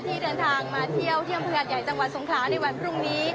ที่เดินทางมาเที่ยวที่อำเภอหัดใหญ่จังหวัดสงขลาในวันพรุ่งนี้